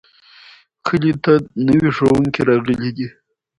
کلي ته نوی ښوونکی راغلی دی.